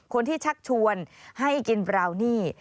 ชักชวนให้กินบราวนี่